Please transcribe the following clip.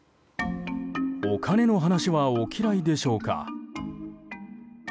お金の話はお嫌いでしょうか？